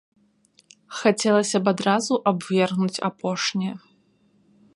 Хацелася б адразу абвергнуць апошняе.